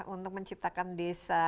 untuk menciptakan desa